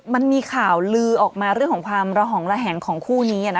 มันมีข่าวลือออกมาเรื่องของภารกิจมุมแห่งของคู่นี้